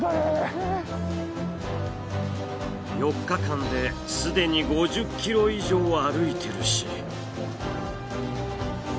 ４日間ですでに５０ｋｍ以上歩いてるし。